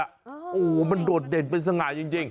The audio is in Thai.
โอ้โหมันโดดเด่นเป็นสง่าจริง